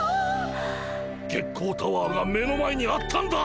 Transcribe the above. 月光タワーが目の前にあったんだ！